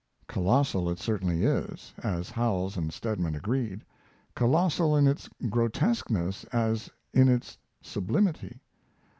Colossal it certainly is, as Howells and Stedman agreed: colossal in its grotesqueness as in its sublimity.